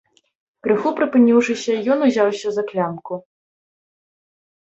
Крыху прыпыніўшыся, ён узяўся за клямку.